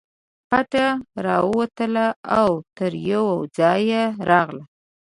پټه راووتله او تر یوه ځایه راغله.